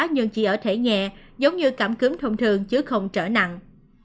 nhưng chỉ ở thể nhẹ giống như cảm cứng thông thường chứ không trở nặng